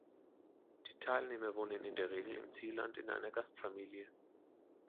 Die Teilnehmer wohnen in der Regel im Zielland in einer Gastfamilie.